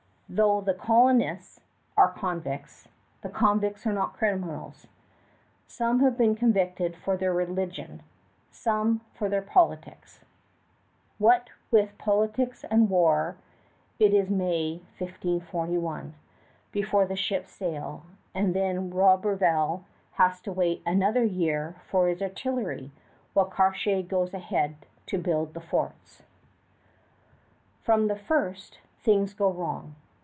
Though the colonists are convicts, the convicts are not criminals. Some have been convicted for their religion, some for their politics. What with politics and war, it is May, 1541, before the ships sail, and then Roberval has to wait another year for his artillery, while Cartier goes ahead to build the forts. From the first, things go wrong.